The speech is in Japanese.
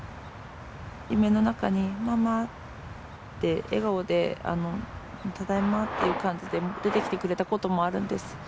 夢の中に、ママって笑顔で、ただいまっていう感じで出てきてくれたこともあるんです。